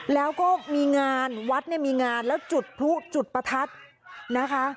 แล้วก็มีงานวัดเนี่ยมีงานแล้วจุดพลุจุดประทัดนะคะ